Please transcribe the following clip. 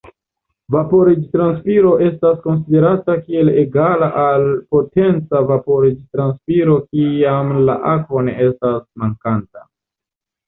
Vaporiĝ-transpiro estas konsiderata kiel egala al potenca vaporiĝ-transpiro kiam la akvo ne estas mankanta.